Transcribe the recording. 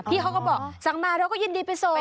เขาก็บอกสั่งมาเราก็ยินดีไปส่ง